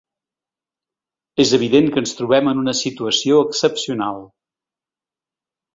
És evident que ens trobem en una situació excepcional.